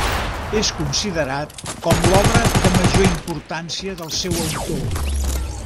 És considerat com l'obra de major importància del seu autor.